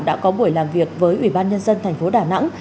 đã có buổi làm việc với ủy ban nhân dân thành phố đà nẵng